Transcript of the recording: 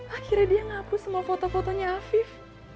akhirnya dia ngapus sama foto fotonya afif